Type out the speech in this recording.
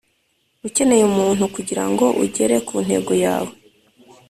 ukeneye umuntu kugirango ugere ku ntego yawe